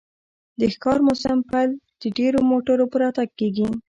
د ښکار موسم پیل د ډیرو موټرو په راتګ کیږي